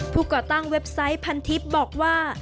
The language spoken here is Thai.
ก่อตั้งเว็บไซต์พันทิพย์บอกว่า